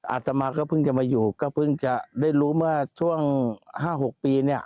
อาตมาก็เพิ่งจะมาอยู่ก็เพิ่งจะได้รู้เมื่อช่วง๕๖ปีเนี่ย